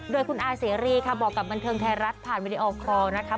โดยคุณอาเสรีค่ะบอกกับบันเทิงไทยรัฐผ่านวิดีโอคอร์นะคะ